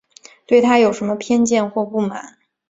对她有什么偏见或不满